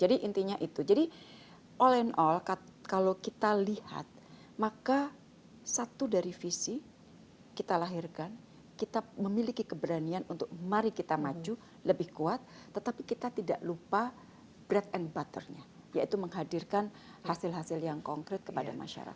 intinya itu jadi all and all kalau kita lihat maka satu dari visi kita lahirkan kita memiliki keberanian untuk mari kita maju lebih kuat tetapi kita tidak lupa bread and butternya yaitu menghadirkan hasil hasil yang konkret kepada masyarakat